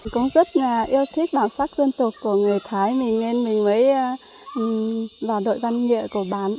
cũng rất là yêu thích bản sắc dân tộc của người thái mình nên mình mới vào đội văn nghệ của bán